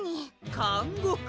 かんごく？